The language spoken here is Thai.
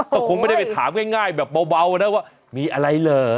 ก็คงไม่ได้ไปถามง่ายแบบเบานะว่ามีอะไรเหรอ